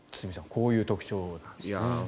こういう特徴なんですね。